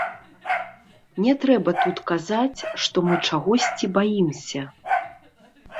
Не трэба тут казаць, што мы чагосьці баімся.